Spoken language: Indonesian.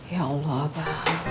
ya allah apa